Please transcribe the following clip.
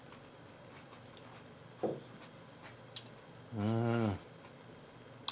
うん。